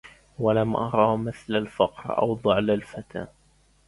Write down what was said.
ولم أر مثل الفقر أوضع للفتى